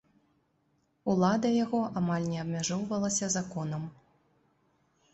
Улада яго амаль не абмяжоўвалася законам.